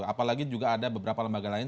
apalagi juga ada beberapa lembaga lain